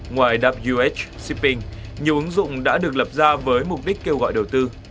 ngoài ws shipping nhiều ứng dụng đã được lập ra với mục đích kêu gọi đầu tư